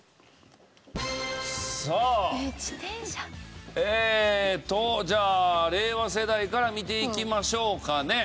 さあえーっとじゃあ令和世代から見ていきましょうかね。